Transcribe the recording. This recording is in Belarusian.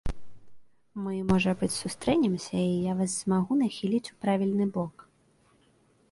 Мы, можа быць, сустрэнемся і я вас змагу нахіліць ў правільны бок.